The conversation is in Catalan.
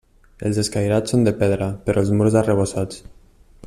Els escairats són de pedra però els murs arrebossats.